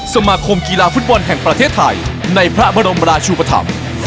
สมาคมกีฬาฟุตบอลแห่งประเทศไทยในพระบรมราชุปธรรม